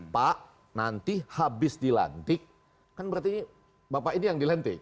pak nanti habis dilantik kan berarti bapak ini yang dilantik